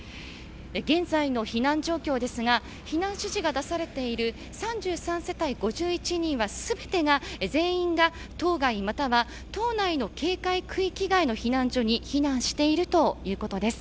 現在の避難状況ですが避難指示が出されている３３世帯５１人は全てが全員が島外または島内の警戒区域外の避難所に避難しているということです。